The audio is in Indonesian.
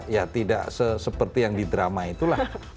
ya tidak seperti yang di drama itulah